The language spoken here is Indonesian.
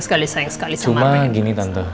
sekali sangat sekali sama mirna cuma gini tante